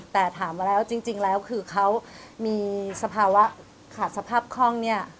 แต่ถามมาแล้วจริงแล้วคือเขามีสภาวะขาดสภาพคล่องเนี่ย